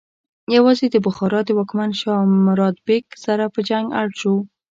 یوازې د بخارا د واکمن شاه مراد بیک سره په جنګ اړ شو.